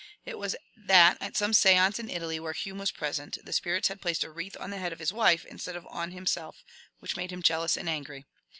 It was that at some stance in Italy where Hume was present, the spirits had placed a wreath on the head of his wife instead of on himself, which made him jealous and angry.